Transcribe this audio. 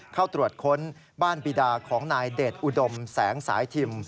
เข้าตรวจค้นบ้านปีดาของนายเดชอุดมแสงสายทิม